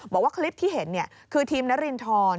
บอกว่าคลิปที่เห็นคือทีมนรินทร